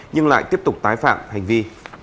nhưng lại tiếp tục tái phạm hành vi